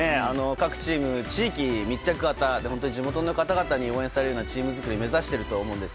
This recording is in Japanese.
各チーム、地域密着型で地元の方に応援されるようなチーム作りをされていると思うんです。